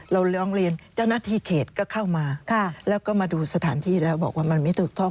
ร้องเรียนเจ้าหน้าที่เขตก็เข้ามาแล้วก็มาดูสถานที่แล้วบอกว่ามันไม่ถูกต้อง